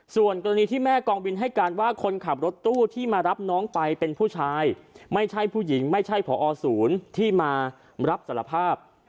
ส่วนกรณีที่แม่กองบินให้การว่าคนขับรถตู้ที่มารับน้องไปเป็นผู้ชายไม่ใช่ผู้หญิงไม่ใช่ผอศูนย์ที่มารับสารภาพ